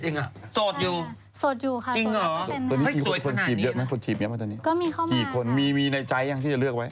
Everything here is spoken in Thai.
๒๗เองอ่ะสดอยู่สดอยู่ค่ะจริงเหรอให้สวยขนาดนี้มีในใจยังที่จะเลือกไว้